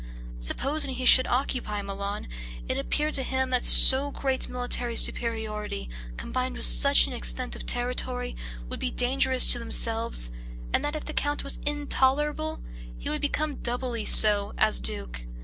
Supposing he should occupy Milan, it appeared to him that so great military superiority, combined with such an extent of territory, would be dangerous to themselves, and that if as count he was intolerable, he would become doubly so as duke.